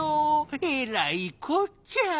えらいこっちゃ。